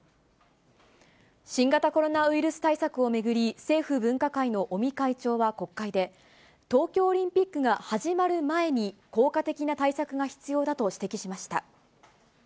新型コロナウイルス対策を巡り、政府分科会の尾身会長は国会で、東京オリンピックが始まる前に、効果的な対策が必要だと指摘しました。